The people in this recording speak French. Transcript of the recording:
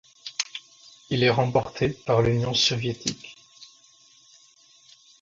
Il est remporté par l'Union soviétique.